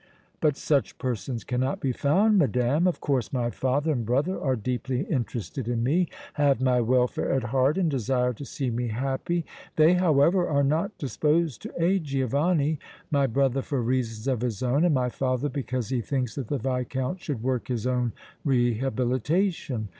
"But such persons cannot be found, madame. Of course my father and brother are deeply interested in me, have my welfare at heart and desire to see me happy. They, however, are not disposed to aid Giovanni, my brother for reasons of his own and my father because he thinks that the Viscount should work his own rehabilitation.